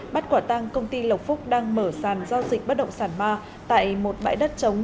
bắt quả tăng công ty lộc phúc đang mở sàn giao dịch bất động sản ma tại một bãi đất trống